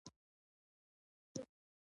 د امنیت شورا کومې دندې لري؟